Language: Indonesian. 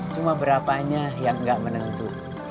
cuma berapanya yang nggak menentu